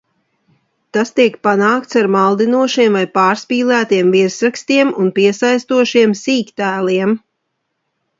Tas tiek panākts ar maldinošiem vai pārspīlētiem virsrakstiem un piesaistošiem sīktēliem.